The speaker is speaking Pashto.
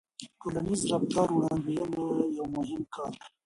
د ټولنیز رفتار وړاندوينه یو مهم کار دی.